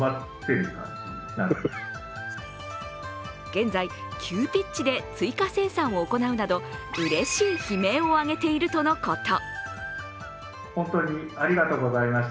現在、急ピッチで追加生産を行うなどうれしい悲鳴を上げているとのこと。